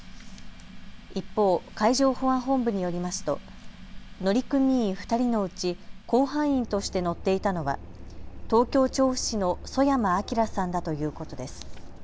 一方、海上保安本部によりますと乗組員２人のうち甲板員として乗っていたのは東京調布市の曽山聖さんだということです。